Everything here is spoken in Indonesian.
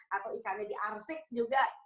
atau ikannya diarsip juga